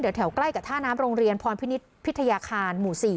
แถวใกล้กับท่าน้ำโรงเรียนพรพินิษฐ์พิทยาคารหมู่๔